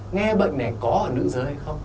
nghe bệnh này có ở nữ giới hay không